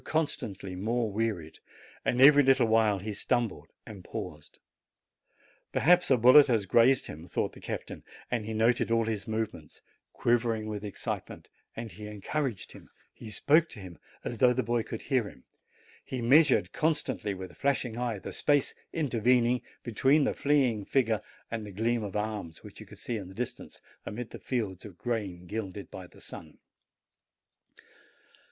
constantly more wearied, and every little while he stumbled and paused. "Perhaps a bullet has grazed him," thought the captain, and he noted all his movements, quivering 102 JANUARY with excitement; and he encouraged him, he spoke to him, as though the boy could hear him ; he measured constantly, with a flashing eye, the space intervening between the fleeing figure and that gleam of arms which he could see in the distance amid the fields of grain gilded by the sun.